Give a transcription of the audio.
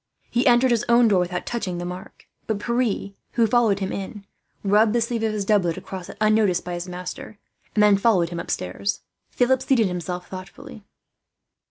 He entered his own door without touching the mark; but Pierre, who followed him in, rubbed the sleeve of his doublet across it, unnoticed by his master, and then followed him upstairs. Philip seated himself thoughtfully.